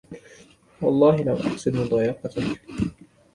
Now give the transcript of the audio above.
و الله لم اقصد مضايقتك